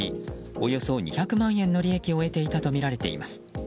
およそ２００万円の利益を得ていたとみられています。